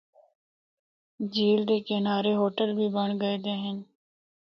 جھیل دے کنارے ہوٹل بھی بنڑ گئے دے ہن۔